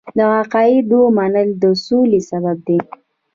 د عقایدو منل د سولې سبب دی.